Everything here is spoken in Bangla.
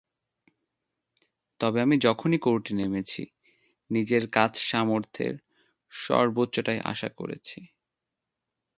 তবে আমি যখনই কোর্টে নেমেছি, নিজের কাছ সামর্থ্যের সর্বোচ্চটাই আশা করেছি।